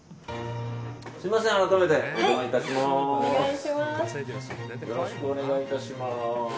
すみません、改めてお邪魔いたします。